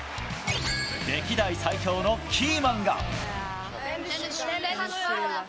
歴代最強のキーマンが。